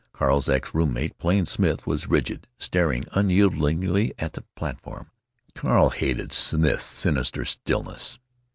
Carl's ex room mate, Plain Smith, was rigid, staring unyieldingly at the platform. Carl hated Smith's sinister stillness.